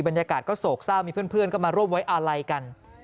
บรรยากาศก็โศกเศร้ามีเพื่อนก็มาร่วมไว้อาลัยกัน